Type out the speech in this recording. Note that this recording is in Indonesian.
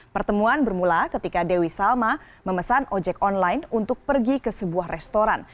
pertemuan bermula ketika dewi salma memesan ojek online untuk pergi ke sebuah restoran